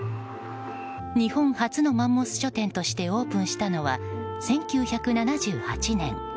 日本初のマンモス書店としてオープンしたのは１９７８年。